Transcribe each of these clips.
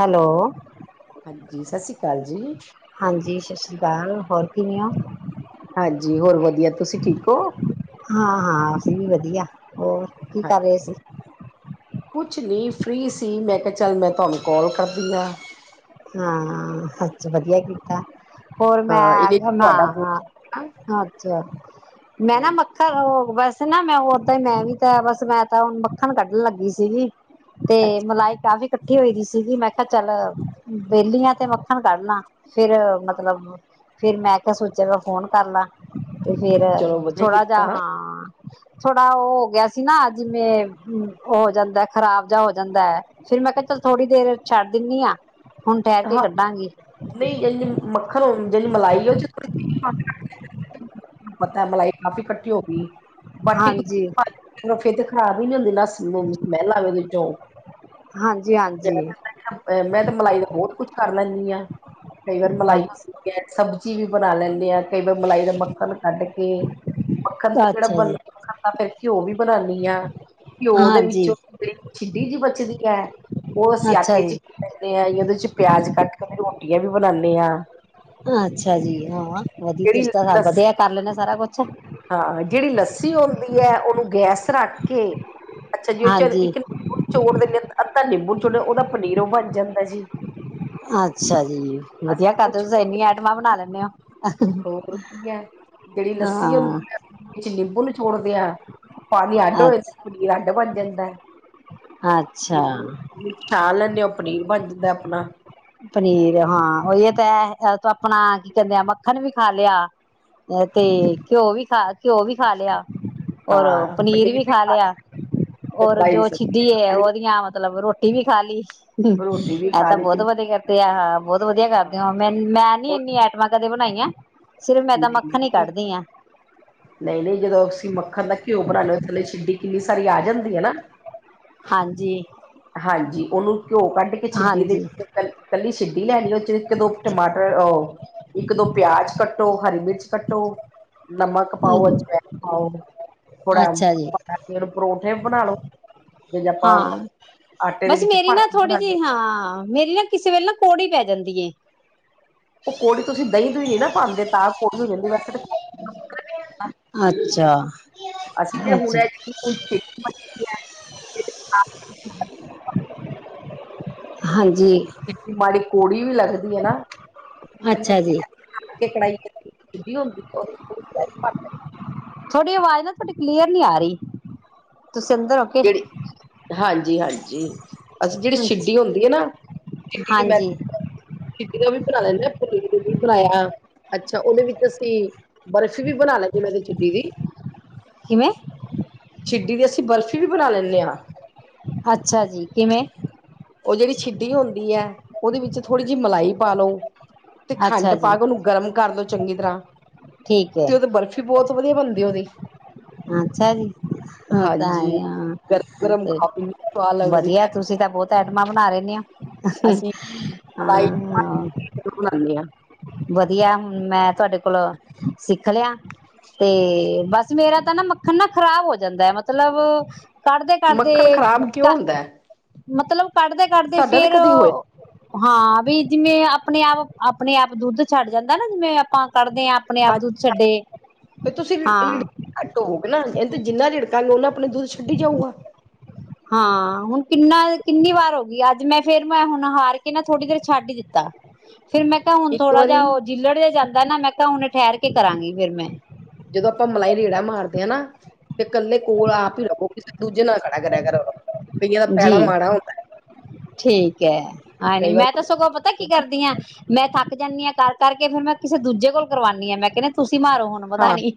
Hello. ਹਾਂਜੀ, ਸ ਸੀ ਕਾਲ ਜੀ। ਹਾਂਜੀ, ਸਤ ਸ੍ਰੀ ਕਾਲ। ਹੋਰ ਕਿਵੇਂ ਆਂ? ਹਾਂਜੀ, ਹੋਰ ਵਧੀਆ। ਤੁਸੀਂ ਠੀਕ ਹੋ? ਹਾਂ-ਹਾਂ, ਅਸੀਂ ਵੀ ਵਧੀਆ। ਹੋਰ, ਕੀ ਹਾਂਜੀ ਕਰ ਰਏ ਸੀ? ਕੁਛ ਨੀ ਫਰੀ ਸੀ। ਮੈਂ ਕਿਆ ਚੱਲ ਮੈਂ ਤੁਆਨੂੰ ਕੋਲ ਕਰਦੀ ਆਂ। ਹਾਂ, ਹਾਂਜੀ ਵਧੀਆ ਕੀਤਾ। ਹੋਰ ਹਾਂ ਮੈਂ ਇਹਦੇ ਖੈ ਮੈ ਤੁਹਾਡਾ ਫੋਨ ਅੱਛਾ, ਮੈਂ ਨਾ ਹਾਂਜੀ ਮ ਹੈਲੋ ਬਸ ਨਾ ਮੈਂ ਓਦਾਂ ਈ ਮੈਂ ਵੀ ਤਾਂ ਬਸ ਮੈਂ ਤਾਂ ਹੁਣ ਮੱਖਣ ਕੱਢਣ ਲੱਗੀ ਸੀਗੀ। ਤੇ ਅੱਛਾ ਮਲਾਈ ਕਾਫ਼ੀ ਕੱਠੀ ਹੋਈ ਦੀ ਸੀਗੀ, ਮੈਂ ਕਿਆ ਚੱਲ ਵੇਲੀ ਆਂ ਤੇ ਮੱਖਣ ਕੱਢ ਲਾ, ਫੇਰ ਮਤਲਬ ਫਿਰ ਮੈਂ ਕਿਆ ਸੋਚੇ ਗਾ ਫੋਨ ਕਰ ਲਾਂ, ਤੇ ਫੇਰ ਚਲੋ ਵਧੀਆ ਥੋੜਾ ਕੀਤਾ ਜਾ ਹਾਂ। ਥੋੜਾ ਓਹ ਹੋ ਗਿਆ ਸੀ ਨਾ, ਜਿਵੇਂ ਓਹ ਹੋ ਜਾਂਦੈ ਖ਼ਰਾਬ ਜਾ ਹੋ ਜਾਂਦੈ। ਫਿਰ ਮੈਂ ਕਿਆ ਚਲ ਥੋੜੀ ਦੇਰ ਛੱਡ ਦਿਣੀ ਆਂ ਹੁਣ ਠੈਰ ਕੇ ਹਾਂ ਕੱਢਾਂਗੀ। ਨਹੀਂ ਜੇੰਜ ਮੱਖਣ ਹੋਣ ਜਨੀ ਮਲਾਈ ਓਦੇ ਚ ਪਤੈ ਮਲਾਈ ਕਾਫ਼ੀ ਕੱਠੀ ਹੋ ਗੀ‌। ਬਾਟੀ ਹਾਂਜੀ। ਕੁ ਫੇਰ ਤੇ ਖਰਾਬ ਹੀ ਨੀ ਹੁੰਦੀ ਨਾ ਸਮੈਲ ਆ ਜਾਂਦੀ ਉਹਦੇ ਚੋਂ। ਹਾਂਜੀ, ਹਾਂਜੀ। ਐ ਮੈਂ ਤੇ ਮਲਾਈ ਦਾ ਬੌਤ ਕੁਛ ਕਰ ਲੈਂਣੀ ਆਂ। ਕਈ ਵਾਰ ਮਲਾਈ ਅੱਛਾ ਨਾ ਸਬਜ਼ੀ ਵੀ ਬਣਾ ਲੈਂਦੇ ਆਂ ਕਈ ਵਾਰ ਮਲਾਈ ਦਾ ਮੱਖਣ ਕੱਢ ਕੇ। ਮੱਖਣ ਤੇ ਜੇੜਾ ਅੱਛਾ ਬਣ ਜੀ ਮੱਖਣ ਤਾਂ ਫੇਰ ਘਿਓ ਵੀ ਬਣਾਣੀ ਆਂ। ਘਿਓ ਦੇ ਹਾਂਜੀ। ਵਿੱਚੋਂ ਜੇੜੀ ਛਿੱਡੀ ਜਿ ਬਚਦੀ ਐ ਓਹ ਅਸੀਂ ਅੱਛਾ ਆਟੇ ਚ ਜੀ, ਕਰਦੇ ਆਂ, ਓਹਦੇ ਚ ਪਿਆਜ ਕੱਟ ਕੇ ਰੋਟੀਆਂ ਵੀ ਬਣਾਣੇ ਆਂ। ਅੱਛਾ ਜੀ, ਹਾਂ ਵਧੀ ਜਿਹੜੀ ਤੁਸੀ ਤਾਂ ਸਾ ਵਧੀਆ ਲੱਸੀ ਕਰ ਲੈਣੇ ਸਾਰਾ ਕੁਛ। ਹਾਂ, ਜੇੜੀ ਲੱਸੀ ਓੰਦੀ ਐ ਓਹਨੂੰ ਗੈਸ ਚ ਰੱਖ ਕੇ ਅੱਛਾ ਜੀ, ਓਹ ਚਰ ਹਾਂਜੀ, ਇੱਕ ਨਿੰਬੂ ਚੋੜ ਦਿਣੇ ਆਂ। ਅੱਧਾ ਨਿੰਬੂ ਨਿਚੋੜ ਓਹਦਾ ਪਨੀਰੋ ਬਣ ਜਾਂਦੈ ਜੀ। ਅੱਛਾ ਜੀ, ਵਧੀਆ ਕਰਦੇ ਓ ਤੁਸੀਂ ਤਾਂ ਇੰਨੀ ਆਈਟਮਾਂ ਬਣਾ ਲੈਣੇ ਓ। ਸੋਕ ਰੂਕੀ ਐ ਜੇੜੀ ਲੱਸੀ ਹਾਂ, ਹੁੰਦੀ ਐ ਓਹਦੇ ਚ ਨਿੰਬੂ ਨਿਚੋੜਦੇ ਐ। ਪਾਣੀ ਅੱਡ ਹੋ ਅੱਛਾ, ਜਾਂ ਪਨੀਰ ਅੱਡ ਬਣ ਜਾਂਦੈ। ਅੱਛਾ। ਖਾ ਲੈਂਦੇ ਓ, ਪਣੀਰ ਬਣ ਜਾਂਦੈ ਅਪਣਾ। ਪਨੀਰ ਹਾਂ ਓਹੀਓ ਤੇ ਐ ਤੂੰ ਅਪਣਾ ਕੀ ਕੈੰਦੇ ਆ ਮੱਖਣ ਵੀ ਖਾ ਲਿਆ। ਐਤੇ ਘਿਓ ਵੀ ਖਾ ਘਿਓ ਵੀ ਖਾ ਲਿਆ। ਔਰ ਓ ਪਨੀਰ ਵੀ ਖਾ ਲਿਆ। ਔਰ ਫਰਾਈ ਜੋ ਸਬਜ਼ੀ ਛਿਡੀ ਵੀ ਏ ਖਾ ਲਈ, ਓਹਦੀਆਂ ਮਤਲਬ ਰੋਟ ਟੀ ਵੀ ਖਾ ਲੀ। ਰੋਟੀ ਵੀ ਐ ਖਾ ਤਾਂ ਲਈ ਬੌਤ ਕਿੰਨੀ ਵਧੀਐ। ਤੇ ਆਹ ਹਾ ਬੌਤ ਵਧੀਆ ਕਰਦੇ ਹਾਂ। ਮੈਂਨ ਮੈਂ ਨੀ ਇੰਨੀ ਆਈਟਮਾਂ ਕਦੇ ਬਣਾਈਆਂ। ਸਿਰਫ ਮੈਂ ਤਾਂ [unintelligible] ਮੱਖਣ ਹੀ ਮਿਲਗੀ। ਕੱਢਦੀ ਹਾਂ ਨਹੀਂ ਨਹੀਂ, ਜਦੋਂ ਅਸੀਂ ਮੱਖਣ ਦਾ ਘਿਓ ਬਣਾਣੇ ਆਂ ਥੱਲੇ ਛਿੱਡੀ ਕਿੰਨੀ ਸਾਰੀ ਆ ਜਾਂਦੀ ਐ ਨਾ। ਹਾਂਜੀ। ਹਾਂਜੀ ਓਨੂੰ ਘਿਓ ਕੱਢ ਕੇ ਛਿੱਡੀ ਦੇ ਹਾਂਜੀ। ਵਿੱਚ ਕੱਲੀ ਛਿੱਡੀ ਲੈ ਲੀਓ ਇੱਕ ਦੋ ਟਮਾਟਰ ਓ, ਇੱਕ ਦੋ ਪਿਆਜ ਕੱਟੋ ਹਰੀ ਮਿਰਚ ਕੱਟੋ ਨਮਕ ਪਾਓ ਅਜਮੈਣ ਪਾਓ ਥੋੜਾ ਅੱਛਾ ਜੀ [unintelligible] ਪਰੌਠੇ ਬਣਾ ਲੋ ਅ ਆਪਾਂ ਹਾਂ। ਆਟੇ ਦੇ ਬਸ ਵਿੱਚ ਮੇਰੀ ਭਰ ਨਾ ਕੇ ਥੋੜੀ ਬਣਾਦੇ ਜੀ ਹਾਂ, ਮੇਰੀ ਨਾ ਕਿਸੇ ਵੇਲੇ ਨਾ ਕੋੜੀ ਪੈ ਜਾਂਦੀ ਏ। ਓ ਕੌੜੀ ਤੁਸੀਂ ਦਈ-ਦੁਈ ਨੀ ਨਾ ਪਾਦੇ ਤਾਂ ਕੌੜੀ ਹੋ ਜਾਂਦੀ ਵੈਸੇ ਤਾਂ ਅੱਛਾ ਅਸੀਂ ਤੇ ਹੁਣ ਅੱਛਾ ਐਤਕੀ [unintelligible] ਹਾਂਜੀ। [unintelligible] ਮਾੜੀ ਕੋੜੀ ਵੀ ਲੱਗਦੀ ਏ ਨਾ ਅੱਛਾ ਜੀ। [unintelligible] ਕੇ ਕੜਾਈ [unintelligible] ਹੁੰਦੀ [unintelligible] ਥੋਡੀ ਆਵਾਜ਼ ਨਾ ਥੋਡੀ ਕਲੀਅਰ ਨੀ ਆ ਰਈ ਤੁਸੀਂ ਅੰਦਰ ਓ ਕੇ ਹਾਂਜੀ-ਹਾਂਜੀ ਅਸੀਂ ਜੇੜੀ ਸਿੱਡੀ ਹੁੰਦੀ ਏ ਨਾ [unintelligible] ਦੀ ਮੈ ਹਾਂਜੀ [unintelligible] ਵੀ ਬਣਾਏਆ ਅੱਛਾ ਓਦੇ ਵਿੱਚ ਅਸੀਂ ਬਰਫ਼ੀ ਵੀ ਬਨਾ ਲੈਨੀਆ ਮੈਂ ਤੇ ਚਿੱਡੀ ਦੀ। ਕਿਵੇਂ? ਚਿੱਡੀ ਦੀ ਅਸੀਂ ਬਰਫ਼ੀ ਵੀ ਬਣਾ ਲੈਂਨੇ ਆ। ਅੱਛਾ ਜੀ ਕਿਵੇਂ? ਓ ਜੇੜੀ ਛਿੱਡੀ ਹੁੰਦੀ ਐ, ਓਦੇ ਵਿੱਚ ਥੋੜੀ ਜੀ ਮਲਾਈ ਪਾ ਲੋ ਤੇ ਖੰਡ ਅੱਛਾ ਪਾ ਜੀ ਕੇ ਓਨੂੰ ਗਰਮ ਕਰ ਦੋ ਚੰਗੀ ਤਰਾ, ਠੀਕ ਹੈ ਤੇ ਓਦਾ ਬਰਫ਼ ਤੇ ਬੋਤ ਵਦੀਆ ਬਨਦੀ ਓਦੀ ਅੱਛਾ ਜੀ, ਓ ਤਾਂ ਹੈ ਹਾਂਜੀ ਈ ਗਰਮ ਗਰਮ ਆ, ਖਾਓ ਇੰਨੀ ਸਵਾਦ ਲੱਗਦੀ ਹੈ ਵਦੀਆ ਤੁਸੀਂ ਤਾਂ ਬੋਤ [inaudible] ਬਣਾ ਰੈਨੇ ਆਂ ਅਸੀਂ ਮਲਾਈ ਹਾਂ ਬਣਾਉਂਦੇ ਹਾਂ ਵਦੀਆ ਹੁਣ ਮੈਂ ਤੁਆਡੇ ਕੋਲ ਸਿੱਖ ਲਿਆ, ਤੇ ਬਸ ਮੇਰਾ ਤਾਂ ਨਾ ਮੱਖਣ ਨਾ ਖਰਾਬ ਹੋ ਜਾਂਦਾ ਐ, ਮਤਲਬ ਮੱਖਣ ਕਡਦੇ-ਕਡਦੇ ਖ਼ਰਾਬ ਕਿਉਂ ਹੁੰਦਾ ਹੈ ਮਤਲਬ ਕੱਡਦੇ-ਕੱਡਦੇ ਸਾਡਾ ਤੇ ਫੇਰ ਕਦੇ ਹੋਇਆ ਹਾਂ, ਵੀ ਜਿਮੇ ਆਪਣੇ ਆਪ, ਆਪਣੇ ਆਪ ਦੁੱਦ ਛੱਡ ਜਾਂਦਾ ਨਾ, ਜਿਵੇਂ ਆਪਾਂ ਕੱਢਦੇ ਆ ਅਪਣੇ ਆਪ ਹਾਂਜੀ ਦੁੱਦ ਛੱਡੇ, ਫਿਰ ਤੁਸੀਂ ਹਾਂ [unintelligible] ਤੇ ਜਿੰਨਾ ਰਿੜਕਾਂਗੇ ਓਨਾ ਆਪਣੇ ਦੁੱਦ ਛੱਡੀ ਜਾਊਗਾ। ਹਾਂ ਹੁਣ ਕਿੰਨਾ ਕਿੰਨੀ ਵਾਰ ਹੋ ਗਈ, ਅੱਜ ਮੈਂ ਫੇਰ ਮੈਂ ਹੁਣ ਹਾਰ ਕੇ ਕੇ ਨਾ ਥੋੜੀ ਦੇਰ ਛੱਡ ਈ ਦਿੱਤਾ, ਫੇਰ ਮੈਂ ਮੈਂ ਕਿਆ ਹੁਣ ਇੱਕ ਥੋੜਾ ਵਾਰੀ ਜਿਆ ਓ, ਜਿੱਲੜ ਜਾ ਜਾਂਦਾ ਨਾ, ਮੈਂ ਕਿਆ ਹੁਣ ਠੈਰ ਕੇ ਕਰਾਂਗੀ ਫੇਰ ਮੈਂ ਜਦੋਂ ਆਪਾਂ ਮਲਾਈ ਰੇੜਾ ਮਾਰਦੇਆ ਨਾ ਤੇ ਕੱਲੇ ਕੋਲ ਆਪ ਈ ਰਵੋ ਕਿਸੇ ਦੂਜੇ ਨੂੰ ਨਾ ਖਡਾ ਕਰੇਆ ਕਰੋ ਕਈਆਂ ਦਾ ਪੈੜਾ ਜੀ ਮਾੜਾ ਹੁੰ ਠੀਕ ਏ, [unintelligible] ਕਈ ਵਾਰ ਮੈਂ ਤੇ ਸਗੋਂ ਪਤਾ ਕੀ ਕਰਦੀ ਆ ਮੈਂ ਥੱਕ ਜਾਂਨੀ ਆ ਕਰ-ਕਰ ਕੇ ਫੇਰ ਮੈਂ ਕਿਸੇ ਦੂਜੇ ਕੋਲੋ ਕਰਵਾਨੀਆ ਆ, ਮੈਂ ਕੇਨੀ ਆ ਤੁਸੀਂ ਮਾਰੋ ਹੁਨ ਮਦਾਨੀ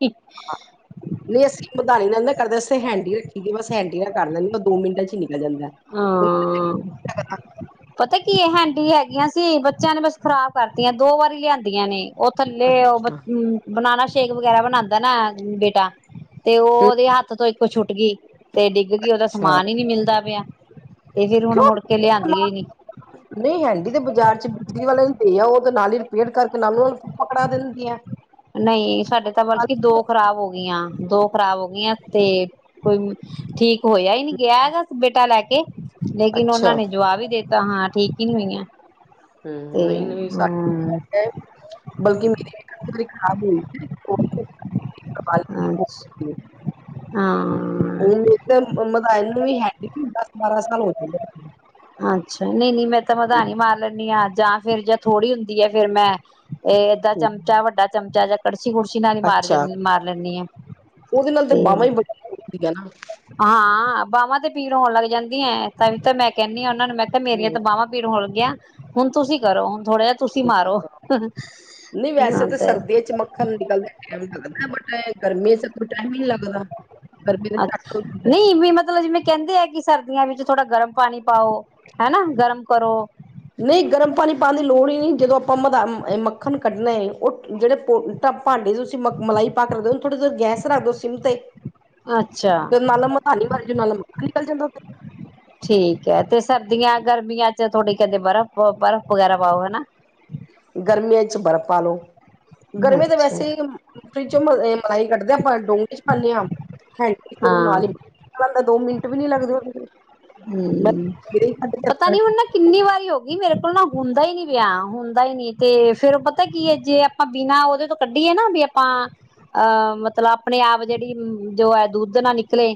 ਨਈਂ ਅਸੀਂ ਮਦਾਨੀ ਨਾਲ ਨਾ ਕਰਦੇ ਅਸੀਂ ਤਾਂ ਹੈਂਡੀ ਰੱਖੀ ਦੀ ਬਸ ਹੈਂਡੀ ਕਰ ਲੈਨੇ, ਬਸ ਦੋ ਮਿੰਟਾਂ ਚ ਈ ਨਿਕਲ ਜਾਂਦਾ ਹਾਂ ਪਤਾ ਕੀ ਏ ਹੈਂਡੀ ਹੈਗੀਆਂ ਸੀ ਬੱਚੇਆਂ ਨੇ ਬਸ ਖਰਾਬ ਕਰਤੀਆਂ, ਦੋ ਵਾਰੀ ਲਿਆਂਦੀਆਂ ਨੇ ਐ ਥੱਲੇ ਓ ਅੱਛਾ ਬਨਾਨਾ ਸ਼ੇਕ ਵਗੈਰਾ ਬਣਾਦਾ ਨਾ ਬੇਟਾ ਤੇ ਓ ਹੂੰ, ਓਦੇ ਹੱਥ ਤੋਂ ਇੱਕ ਛੁੱਟ ਗਈ ਤੇ ਡਿੱਗ ਗਈ, ਓਦਾ ਅੱਛਾ ਸਮਾਨ ਈ ਨੀ ਮਿਲਦਾ ਪਿਆ ਤੇ ਫੇਰ ਹੁਣ ਮੁੜਕੇ ਲਿਆਂਦੀਆਂ ਈ ਨੀ ਹਾਂ ਨਹੀਂ ਹੈਂਕੀ ਤੇ ਬਾਜ਼ਾਰ ਚ ਬਿਜਲੀ ਵਾਲੇ ਨੂੰ ਦੇ ਆਊ ਤਾਂ ਨਾਲ ਹੀ ਰਿਪੇਅਰ ਕਰਕੇ ਨਾਲ ਨਾਲ ਪਕੜਾ ਦਿੰਦੇ ਆ ਨਹੀਂ ਸਾਡੇ ਤਾਂ ਬਲਕਿ ਦੋ ਖ਼ਰਾਬ ਹੋ ਗਈਆਂ ਦੋ ਖ਼ਰਾਬ ਹੋ ਗਈਆਂ ਤੇ ਕੋਈ ਠੀਕ ਹੋਇਆ ਹੀ ਨਈ, ਗਿਆ ਹੈਗਾ ਬੇਟਾ ਲੈ ਕੇ ਲੇਕਿਨ ਉਹਨਾਂ ਅੱਛਾ ਨੇ ਜਵਾਬ ਹੀ ਦਿੱਤਾ ਹਾਂ ਠੀਕ ਹੀ ਨਈ ਹੋਈਆਂ ਤੇ ਹੂੰ ਨਹੀਂ ਨਹੀਂ ਹੂੰ ਬਲਕਿ ਮੇਰੀ ਵੀ ਇਕ ਅੱਧੀ ਵਾਰੀ ਖਰਾਬ ਹਮ ਅੱਛਾ ਹੋਈ [inaudible] ਹਾਂ [unintelligible] ਤੇ ਮਦਾਨੀ ਨੂੰ ਵੀ ਹੈਡੀ ਨੂੰ ਦਸ ਬਾਰਾਂ ਸਾਲ ਹੋ ਚੁਕੇ ਨੇ ਅੱਛਾ ਨਹੀਂ- ਨਹੀਂ ਮੈਂ ਤਾਂ ਮਧਾਨੀ ਮਾਰ ਲੈਂਦੀ ਹਾਂ, ਜਾਂ ਫੇਰ ਜਾਂ ਥੋੜ੍ਹੀ ਹੁੰਦੀ ਹੈ ਫਿਰ ਮੈਂ ਇਹ ਏਦਾ ਚਮਚਾ ਵੱਡਾ ਚਮਚਾ ਜਾਂ ਕੜਛੀ ਕੁੜਛੀ ਨਾਲ ਹੀ ਮਾਰ ਜਾਂ ਅੱਛਾ ਮਾਰ ਲੈਦੀ ਆ ਉਹਦੇ ਨਾਲ ਤੇ ਬਾਾਹਵਾਂ ਹੀ, ਬੜੀਆਂ ਦੁੱਖ ਦੀਆਂ ਨਾ। ਹਾਂ ਬਾਹਵਾਂ ਤੇ ਪੀੜ ਹੋਣ ਲੱਗ ਜਾਂਦੀਆਂ ਤਾਂ ਵੀ ਤਾਂ ਮੈਂ ਕਹਿੰਦੀ ਹਾਂ ਉਹਨਾਂ ਨੂੰ ਮੈਂ ਕਿ ਮੇਰੀਆਂ ਹੂੰ, ਤਾਂ ਬਾਹਵਾਂ ਪੀੜ ਹੋ ਲੱਗ ਗਈ ਆ ਹੁਣ ਤੁਸੀਂ ਕਰੋ, ਹੁਣ ਥੋੜਾ ਜਿਹਾ ਤੁਸੀਂ ਮਾਰੋ ਨਹੀਂ ਵੈਸੇ ਹਾਂ ਤਾਂ ਤੇ ਸਰਦੀਆਂ ਚ ਮੱਖਣ ਨਿਕਲਦੇ ਟੈਮ ਲੱਗਦਾ, ਬਟ ਗਰਮੀ ਚ ਕੋਈ ਟਾਈਮ ਹੀ ਨੀ ਲੱਗਦਾ ਗਰਮੀ ਦੇ ਝੱਟ ਹੋ ਅੱਛਾ ਜਾਂਦਾ ਨਹੀਂ ਵੀ ਮਤਲਬ ਜਿਵੇਂ ਕਹਿੰਦੇ ਆ ਕਿ ਸਰਦੀਆਂ ਵਿੱਚ ਥੋੜਾ ਗਰਮ ਪਾਣੀ ਪਾਓ, ਹੈਨਾ ਗਰਮ ਕਰੋ ਨਹੀਂ ਗਰਮ ਪਾਣੀ ਪਾਉਣ ਦੀ ਲੋੜ ਹੀ ਨਈ, ਜਦੋਂ ਆਪਾਂ ਮੱਖਣ ਕੱਢਣਾ ਹੈ ਉਹ ਜਿਹੜੇ ਭਾਂਡੇ ਤੁਸੀਂ ਮਲਾਈ ਪਾ ਕੇ ਰੱਖਦੇ ਹੋ, ਥੋੜਾ ਜਿਹਾ ਗੈਸ ਰੱਖ ਦਿਓ ਸਿਮ ਤੇ ਅੱਛਾ ਤੇ ਨਾਲ- ਨਾਲ ਮਧਾਨੀ ਮਾਰੀ ਜਾਓ ਨਾਲ- ਨਾਲ ਮੱਖਨ ਨਿਕਲ ਜਾਂਦਾ ਉਥੇ ਠੀਕ ਹੈ ਤੇ ਸਰਦੀਆਂ, ਗਰਮੀਆਂ ਚ ਥੋੜੀ ਕਹਿੰਦੇ ਬਰਫ਼ -ਬਰਫ਼ ਵਗੈਰਾ ਪਾਓ ਹਨਾ? ਗਰਮੀਆਂ ਚ ਬਰਫ਼ ਪਾ ਲਉ ਗਰਮੀ ਤਾਂ ਅੱਛਾ ਵੈਸੇ ਫਰਿੱਜ ਚ ਮਲਾਈ ਕੱਢਦੇ ਆ, ਆਪਾ ਡੋਗੇ ਚ ਪਾਉਂਦੇ ਹਾਂ ਹਾਂਜੀ ਫਿਰ ਉਹ ਹਾਂ ਨਾਲ ਹੀ ਨਿਕਲ ਆਂਦਾ, ਦੋ ਮਿੰਟ ਵੀ ਨੀ ਲੱਗਦੇ ਉਹ ਹੂੰ ਪਤਾ ਨੀ ਹੁਣ ਨਾ ਕਿੰਨੀ ਵਾਰੀ ਹੋ ਗਈ ਮੇਰੇ ਕੋਲ ਨਾ ਹੁੰਦਾ ਹੀ ਨੀ ਪਿਆ ਹੁੰਦਾ ਨੀ ਤੇ ਫੇਰ ਪਤਾ ਕੀ ਏ, ਜੇ ਆ ਬਿਨਾਂ, ਉਹਦੇ ਤੋਂ ਕੱਢੀਏ ਨਾ ਵੀ ਆਪਾਂ। ਅਹ, ਮਤਲਬ ਆਪਣੇ ਆਪ ਜਿਹੜੀ ਜੋ ਏ ਦੁੱਧ ਨਾ ਨਿਕਲੇ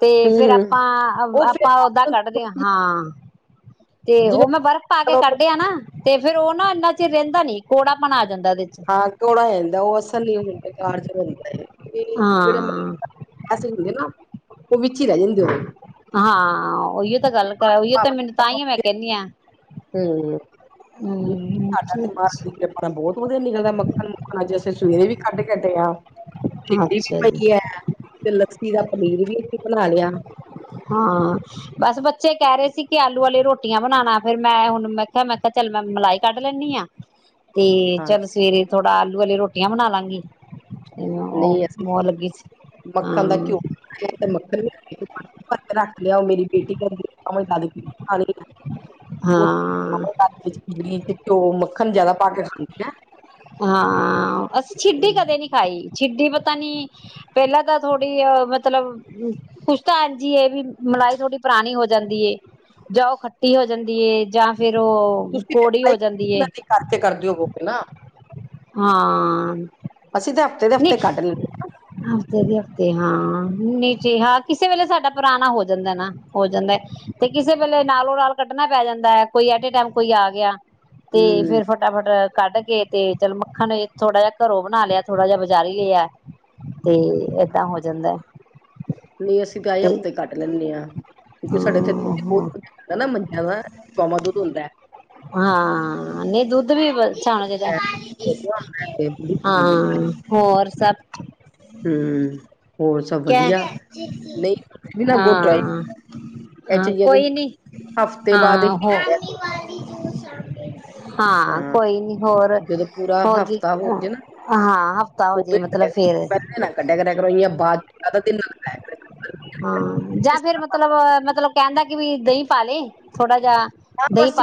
ਤੇ, ਫਿਰ ਹੂੰ ਆਪਾਂ ਉਹ ਫਿਰ ਆਪਾਂ ਓਦਾਂ ਕੱਢਦੇ ਹ ਹਾਂ, ਤੇ ਜਿਵੇਂ ਉਹ ਮੈਂ ਬਰਫ਼ ਪਾ ਕੇ ਕੱਢਿਆ ਨਾ। ਤੇ, ਫੇਰ ਉਹ ਨਾ ਇੰਨਾ ਚਿਰ ਰਹਿੰਦਾ ਨੀ, ਕੋੜਾ ਪਣ ਆ ਜਾਂਦਾ ਇਹਦੇ ਚ਼। ਕੋੜਾ ਹੋ ਜਾਂਦਾ। ਉਹ ਅਸਰ ਨੀ ਹੁੰਦਾ ਕਾਰਜ ਹੁੰਦਾ। ਜਿਹੜਾ ਹਾਂ ਅਸੀਂ, ਹੁੰਦੇ ਨਾ ਉਹ, ਵਿੱਚ ਹੀ ਰਹਿ ਜਾਂਦੇ। ਉਹਦੇ ਹਾਂ ਉਹੀਓ, ਤਾਂ ਗੱਲ ਕਰ ਉਹੀਓ ਤਾਂ, ਮੈਨੂੰ ਤਾਂਹੀ ਮੈਂ ਕਹਿੰਦੀ ਹਾਂ। ਹੂੰ ਹਮ ਸਾਡਾ ਦਿਮਾਗ ਠੀਕ ਹੈ। ਪਰ ਬਹੁਤ ਵਧੀਆ, ਨਿਕਲਦਾ ਮੱਖਣ -ਮੁੱਖਣ ਅੱਜ, ਅਸੀਂ ਸਵੇਰੇ ਵੀ ਕੱਢ ਕੇ ਹਟੇ ਆ। ਭਿੰਡੀ ਵੀ ਅੱਛਾ ਜੀ ਪਈ ਹੈ, ਤੇ ਲੱਸੀ ਦਾ ਪਨੀਰ ਵੀ ਅਸੀਂ ਬਣਾ ਲਿਆ। ਹਾਂ ਬਸ ਬੱਚੇ ਕਹਿ ਰਹੇ ਸੀ। ਕਿ ਆਲੂ ਵਾਲੇ ਰੋਟੀਆਂ ਬਣਾਉਣਾ ਫਿਰ ਮੈਂ, ਹੁਣ ਮੈਂ ਕਿਹਾ ਮੈਂ ਕਿਹਾ ਚਲ ਮੈਂ ਮਲਾਈ ਕੱਢ ਲੈਦੀ ਆ। ਤੇ, ਹਾਂ ਚੱਲ ਸਵੇਰੇ ਥੋੜਾ, ਆਲੂ ਵਾਲੀ ਰੋਟੀਆਂ ਬਣਾ ਲਾਂਗੀ। ਤੇ ਮੈਂ ਉਹ, ਨਹੀਂ ਉਹ ਲਗੀ ਸੀ ਹਾਂ ਏ ਤੇ ਮੱਖਣ ਵੀ ਰੱਖ ਲਿਆ, ਉਹ ਮੇਰੀ ਬੇਟੀ ਕਰਕੇ [unintelligible] ਦਾਣੀ ਆ। ਉਹ, ਹਾਂ ਘੀ, ਘਿਓ, ਮੱਖਣ ਜਿਆਦਾ ਪਾ ਕੇ ਖਾਂਦੇ ਆ। ਹਾਂ, ਅਸੀਂ ਛਿੱਡੀ ਕਦੇ ਨੀ ਖਾਈ, ਛਿੱਡੀ ਪਤਾ ਨੀ ਪਹਿਲਾਂ ਤਾਂ ਥੋੜ੍ਹੀ ਆ ਮਤਲਬ ਕੁਛ ਤਾਂ [unintelligible] ਜੀ ਇਹ ਵੀ, ਮਲਾਈ ਥੋੜੀ ਪੁਰਾਣੀ ਹੋ ਜਾਂਦੀ। ਜਾਂ ਉਹ, ਖੱਟੀ ਹੋ ਜਾਂਦੀ ਹੈ। ਜਾਂ ਫਿਰ, ਉਹ ਕੋੜੀ ਹੋ ਜਾਂਦੀ ਹੈ। ਛੱਤ ਤੇ, ਕਰਦੇ ਹੋ ਵੋ ਗੇ ਨਾ ਹਾਂ ਅਸੀਂ, ਤਾਂ ਦੇ ਨੀ ਹਫ਼ਤੇ ਕੱਢ ਲੈਂਦੇ ਹਫ਼ਤੇ ਦੇ ਹਫ਼ਤੇ ਹਾਂ ਨੀਚਾਂ, ਕਿਸੇ ਵੇਲੇ ਸਾਡਾ ਪੁਰਾਣਾ ਹੋ ਜਾਂਦਾ ਨਾ, ਹੋ ਜਾਂਦਾ। ਤੇ ਕਿਸੇ ਵੇਲੇ ਨਾਲੋਂ ਨਾਲ ਕੱਢਣਾ ਪੈ ਜਾਂਦਾ ਹੈ। ਕੋਈ ਐਟਏ ਟਾਈਮ ਕੋਈ ਆ ਗਿਆ। ਤੇ ਹਾਂ ਹੂੰ ਫਿਰ ਫਟਾਫਟ ਕੱਢ ਕੇ, ਤੇ ਚੱਲ ਮੱਖਣ ਨੂੰ ਥੋੜਾ ਜਿਹਾ ਘਰੋਂ ਬਣਾ ਲਿਆ। ਥੋੜਾ, ਜਿਹਾ ਬਜਾਰੀ ਲੇ ਆ, ਤੇ ਏਦਾਂ ਹੋ ਜਾਂਦਾ ਹੈ। ਨਹੀਂ ਅਸੀਂ, ਤਾਂ ਆਏ ਹਫ਼ਤੇ ਕੱਟ ਲੈਂਦੇ ਹਾਂ, ਕਿਉਂਕਿ ਸਾਡੇ ਇੱਥੇ ਹਮ [unintelligible] ਹਾਂ, ਨਹੀਂ ਦੁੱਧ ਵੀਛਾਣਾ ਚਾਹੀਦਾ ਹੈ ਹਾਂ। ਹੋਰ, ਸਭ ਹਮ, ਹੋਰ ਸਭ ਠੀਕ ਵਧੀਆ, ਹੈ [unintelligible] [unintelligible] ਇਹ ਹਾਂ, ਚੀਜ਼ਾਂ ਦੇ ਕੋਈ ਨੀ ਹਫ਼ਤੇ ਬਾਅਦ ਹੀ ਹਾਂ ਹੋ। ਕੱਢਿਆ ਕਰੋ ਹਾਂ, ਕੋਈ ਨੀ ਹੋਰ ਜਦੋਂ ਪੂਰਾ ਹੋਰ, ਕੀ ਹਫ਼ਤਾ ਹੋ ਜੇ ਨਾ ਹਾਂ ਹਫ਼ਤਾ ਹੋਜੇ ਉਦੋਂ ਹੀ ਮਤਲਬ, ਕੱਢਿਆ ਫੇਰ ਕਰੋ ਨਾ ਕੱਢਿਆ ਕਰਿਆ ਕਰੋ, ਬਾਅਦ [unintelligible] ਹਾਂ, ਕਰੋ ਜਾਂ ਫੇਿਰ ਮਤਲਬ ਮਤਲਬ ਕਹਿੰਦਾ, ਕਿ ਮਤਲਬ ਵੀ ਦਹੀਂ ਪਾ ਲਈ [unintelligible] [unintelligible] ਥੋੜੀ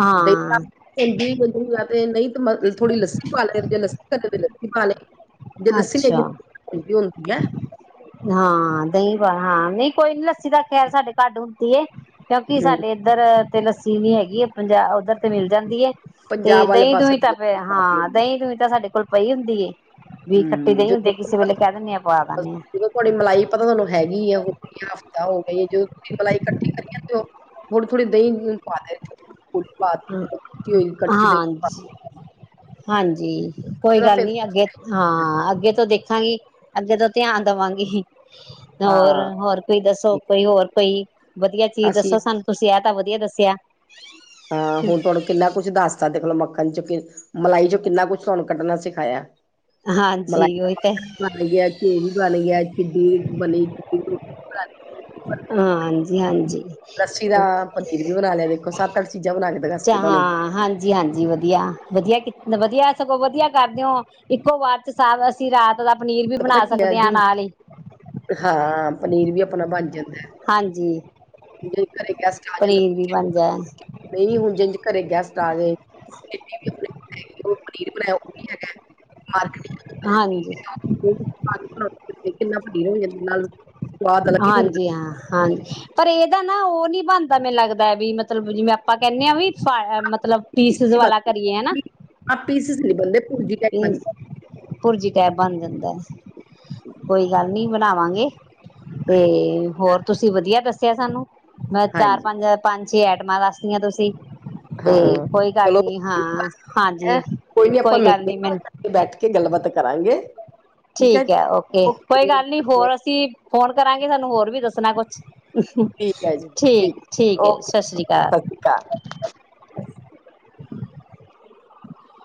ਹਾਂ ਲੱਸੀ ਪਾ ਲੈ ਜ ਲੱਸੀ ਘਟ ਲੱਸੀ ਪਾ ਲਏ ਜੇ ਲੱਸੀ ਨੇਗੀ। ਅੱਛਾ [unintelligible] ਹਾਂ ਦਹੀਂ ਪਾ ਕੋਈ ਨੀ ਲੱਸੀ ਦਾ ਖੈਰ, ਸਾਡੇ ਘਰ ਹੁੰਦੀ ਹੈ। ਕਿਉਂਕਿ, ਹੂੰ, ਸਾਡੇ ਇੱਧਰ ਤੇ, ਲੱਸੀ ਨੀ ਹੈਗੀ ਹੈ, ਪੰਜਾਬ ਉੱਧਰ ਤੇ, ਮਿਲ ਜਾਂਦੀ ਹੈ। ਤੇ, ਪੰਜਾਬ ਵਾਲੇ ਦਹੀਂ ਪਾਸੇ ਦੂਹੀਂ, ਲੱਸੀ ਕਾਫ਼ੀ ਹਾਂ ਹੁੰਦੀ ਦਹੀਂ ਦੂਹੀਂ ਤਾਂ, ਸਾਡੇ ਕੋਲ ਪਈ ਹੁੰਦੀ ਹੈ ਵੀ ਖੱਟੀ ਹੂੰ, ਦਈ ਹੁੰਦੇ, ਕਿਸੇ ਜੇ ਵੇਲੇ ਕਹਿ ਦਿੰਦੇਾਂ ਪਾ ਬਸ ਦਦੇ ਹਾਂ। ਜਦੋਂ ਤੁਹਾਡੀ ਮਲਾਈ ਪਤਾ ਤੁਹਾਨੂੰ ਹੈਗੀ ਆ ਹੋ ਹਫ਼ਤਾ ਹੋ ਗਈ ਹੈ। ਜਦੋਂ ਤੁਸੀਂ ਮਲਾਈ ਇਕੱਠੀ ਕਰੀਦੇ ਹੋ। ਆ ਹਾਂਜੀ [unintelligible] ਹਾਂਜੀ ਉਹਦੇ ਕੋਈ ਨਾਲ ਗੱਲ ਫਿਰ ਨੀ ਅੱਗੇ ਹਾਂ ਅੱਗੇ ਤੋਂ ਦੇਖਾਂਗੀ ਅੱਗੇ ਤੋਂ ਧਿਆਨ ਦੇਵਾਂਗੀ ਹੋਰ ਹਾਂ ਹੋਰ ਕੋਈ ਦੱਸੋ ਕੋਈ ਹੋਰ ਕੋਈ ਵਧੀਆ ਚੀਜ਼ ਅਸੀਂ ਦੱਸੋ ਸਾਨੂੰ ਤੁਸੀਂ ਇਹ ਤਾਂ ਵਧੀਆ ਦੱਸਿਆ ਹਾਂ ਹੁਣ ਤੁਹਾਡੇ ਕਿੰਨਾ ਕੁਛ ਦੱਸਦਾ ਦੇਖਲੋ ਮੱਖਣ ਚ ਕਿ ਮਲਾਈ ਚੋਂ ਕਿੰਨਾ ਕੁਛ ਤੁਹਾਨੂੰ ਕੱਢਣਾ ਸਿਖਾਇਆ ਹਾਂਜੀ ਉਹੀ ਤਾਂ [unintelligible] ਗਈ ਹਾ ਹਾਂਜੀ ਹਾਜੀ ਲੱਸੀ ਦਾ ਪਨੀਰ ਵੀ ਬਣਾ ਲਿਆ ਦੇਖੋ ਸੱਤ ਅੱਠ ਚੀਜ਼ਾਂ ਬਣਾ ਕੇ ਦਸਤੀ ਤੁਹਾਨੂੰ ਜੀ ਹਾਂਜੀ ਵਧੀਆ ਵਧੀਆ ਵਧੀਆ ਸਗੋਂ ਵਧੀਆ ਕਰਦੇ ਹੋ ਇੱਕੋ ਵਾਰ ਚ ਸ ਅਸੀਂ ਰਾਤ ਦਾ ਪਨੀਰ ਵੀ ਪਤਾ ਬਣਾ ਕੀ ਹੈ ਸਕਦੇ ਹਾਂ ਜਿਵੇਂ ਨਾਲ ਹੀ ਹਾਂ ਪਨੀਰ ਵੀ ਆਪਣਾ ਬਣ ਜਾਂਦਾ [unintelligible] ਹਾਂਜੀ ਨਹੀਂ ਹੁਣ ਪਨੀਰ ਵੀ ਬਣ ਜਾਏ ਜਿ ਘਰੇ ਗੈਸਟ ਜੇ ਹਾਂਜੀ [unintelligible] [inaudible] [inaudible] ਅਲੱਗ ਹੀ ਹੁੰਦਾ ਹਾਂਜੀ ਹਾਂ ਹਾਂਜੀ ਪਰ ਇਹਦਾ ਨਾ ਉਹ ਨੀ ਬਣਦਾ ਮੈਨੂੰ ਲੱਗਦਾ ਵੀ ਮਤਲਬ ਜਿਵੇਂ ਆਪਾਂ ਕਹਿੰਦੇ ਹਾਂ ਵੀ ਫ ਮਤਲਬ ਪੀਸਿਸ ਵਾਲਾ ਕਰੀਏ ਹਨਾ ਆਪ ਪੀਸਿਸ ਨ ਬੰਦੇ ਭੁਰਜੀ ਭੁਰਜੀ ਟੈਪ ਬਣ ਜਾਂਦਾ ਕੋਈ ਗੱਲ ਨੀ ਬਣਾਵਾਂਗੇ ਤੇ ਹੋਰ ਤੁਸੀਂ ਵਧੀਆ ਦੱਸਿਆ ਸਾਨੂੰ ਮੈਂ ਚਾਰ ਹਾਂਜੀ ਪੰਜ ਪੰਜ ਛੇ ਆਈਟਮਾਂ ਦੱਸਤੀਆਂ ਤੁਸੀਂ ਤੇ ਹਾਂ ਕੋਈ ਗੱਲ ਚਲੋ ਨੀ ਹਾਂ ਠੀਕ ਹਾਂਜੀ ਹੈ ਕੋਈ ਨੀ ਆਪਾਂ ਗੱਲ ਮਿਲਦੇ ਨੀ ਮੈਨੂੰ ਘ ਬੈਠ ਕੇ ਗੱਲਬਾਤ ਕਰਾਂਗੇ ਠੀਕ ਹੈ ਓਕੇ ਕੋਈ ਗੱਲ ਨੀ ਹੋਰ ਅਸੀਂ ਫੋਨ ਕਰਾਂਗੇ ਸਾਨੂੰ ਹੋਰ ਵੀ ਦੱਸਣਾ ਕੁਛ ਹੈ ਜੀ ਠੀਕ ਠੀਕ ਏ ਸਤਿ ਸ਼੍ਰੀ ਅਕਾਲ ਕ [unintelligible]